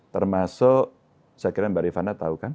termasuk saya kira mbak rifana tahu kan